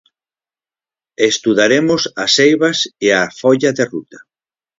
Estudaremos as eivas e a folla de ruta.